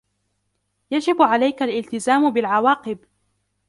يجب عليك الالتزام بالعواقب.